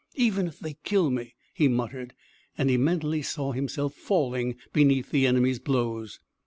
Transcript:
"Even if they kill me," he muttered, and he mentally saw himself falling beneath the enemy's blows.